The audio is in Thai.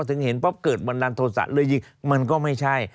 ถึงเห็นปั๊บเกิดบันดาลโทษะหรือยิงมันก็ไม่ใช่